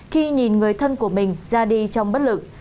khi nhìn người thân của mình ra đi trong bất lực